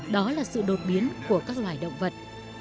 đó là sự đột biến của các loài động vật